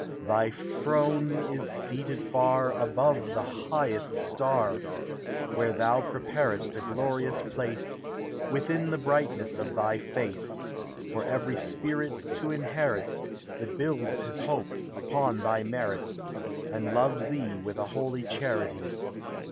Thy throne is seated far Above the hi°"he?t star, DEATH: IMMORTALITY: HEAVEN. 40D Where thou preparesl a glorious place, Within the brightness of thy face, For i>\i>vx spirit To inherit That builds his hopes upon thy merit, And loves thee with a holy charity.